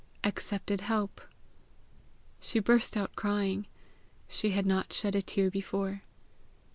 "Accepted help." She burst out crying. She had not shed a tear before.